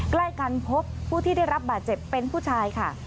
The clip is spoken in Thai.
ใกล้กันพบผู้ที่ได้รับบาดเจ็บเป็นผู้ชายค่ะ